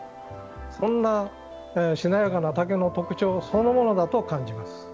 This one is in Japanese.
そんなしなやかな竹の特徴そのものだと感じます。